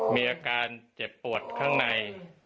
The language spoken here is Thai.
มีอาการเจ็บปวดข้างใน